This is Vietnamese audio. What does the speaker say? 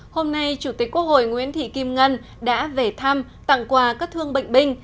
hôm nay chủ tịch quốc hội nguyễn thị kim ngân đã về thăm tặng quà các thương bệnh binh